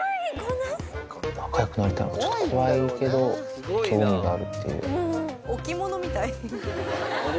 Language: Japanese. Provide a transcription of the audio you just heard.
仲よくなりたいのかな、怖いけど興味があるっていう。